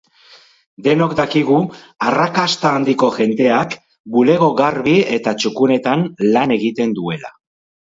Denok dakigu arrakasta handiko jendeak bulego garbi eta txukunetan lan egiten duela.